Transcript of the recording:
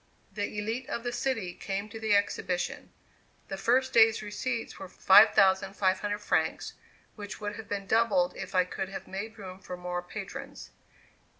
The élite of the city came to the exhibition; the first day's receipts were 5,500 francs, which would have been doubled if I could have made room for more patrons.